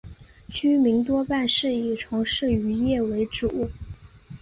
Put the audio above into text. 居民多半是以从事渔业为主。